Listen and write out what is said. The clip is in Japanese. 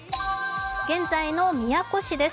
現在の宮古市です。